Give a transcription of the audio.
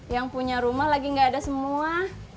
yang punya rumah lagi nggak ada semua